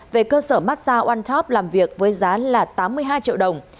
về cơ sở mát xa onetop làm việc với giá tám mươi hai triệu đồng